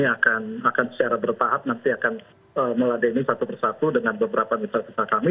dan kami akan secara bertahap nanti akan meladeni satu persatu dengan beberapa mitra mitra kami